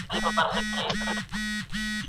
جهاني دی، ورکي لاري، سپیني شپې دي، توري ورځي